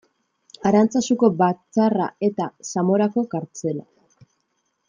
Arantzazuko batzarra eta Zamorako kartzela.